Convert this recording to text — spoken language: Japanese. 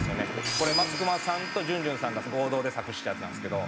これ松隈さんとジュンジュンさんが合同で作詞したやつなんですけど。